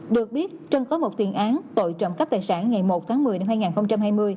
được biết trân có một tiền án tội trộm cắp tài sản ngày một tháng một mươi năm hai nghìn hai mươi